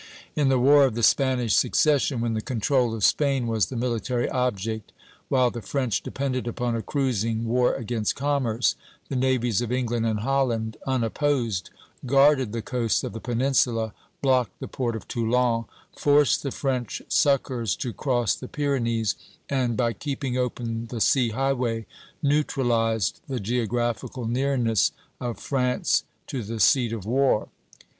In the War of the Spanish Succession, when the control of Spain was the military object, while the French depended upon a cruising war against commerce, the navies of England and Holland, unopposed, guarded the coasts of the peninsula, blocked the port of Toulon, forced the French succors to cross the Pyrenees, and by keeping open the sea highway, neutralized the geographical nearness of France to the seat of war.